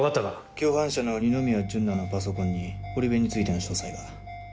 共犯者の二ノ宮純名のパソコンに堀部についての詳細が。